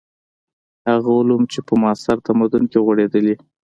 هغه علوم چې په معاصر تمدن کې غوړېدلي.